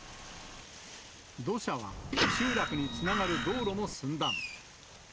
土砂は集落につながる道路も寸断。